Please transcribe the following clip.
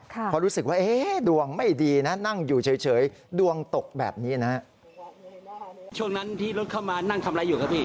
พอรู้สึกว่าเอ๊ะดวงไม่ดีนะนั่งอยู่เฉยดวงตกแบบนี้นะฮะ